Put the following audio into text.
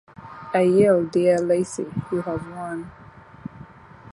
I yield, dear lassie, you have won.